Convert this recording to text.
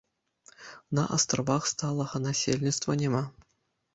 На астравах сталага насельніцтва няма.